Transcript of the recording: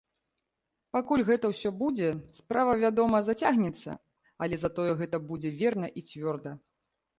Пакуль гэта ўсё будзе, справа, вядома, зацягнецца, але затое гэта будзе верна і цвёрда.